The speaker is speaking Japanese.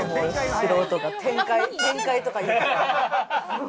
素人が展開とか言って。